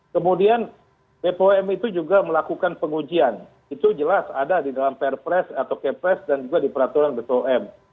kemudian bpom itu juga melakukan pengujian itu jelas ada di dalam perpres atau kepres dan juga di peraturan bpom